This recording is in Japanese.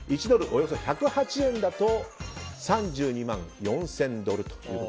およそ１０８円だと３２万４０００ドルと。